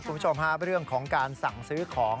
คุณผู้ชมฮะเรื่องของการสั่งซื้อของ